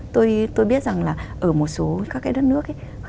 tôi biết rằng là ở một số các cái đất nước ấy